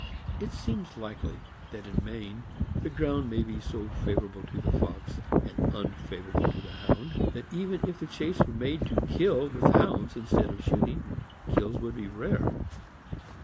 It seems likely that in Maine the ground may be so favorable to the fox and unfavorable to the Hound, that even if the chase were made to kill with Hounds instead of shooting, kills would be rare.